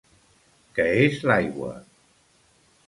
Què és l'aigua?